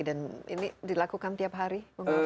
dan ini dilakukan tiap hari